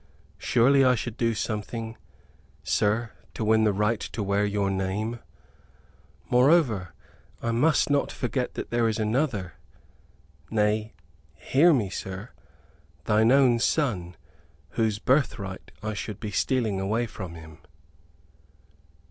Surely I should do something, sir, to win the right to wear your name? Moreover, I must not forget that there is another nay, hear me, sir thine own son, whose birthright I should be stealing away from him."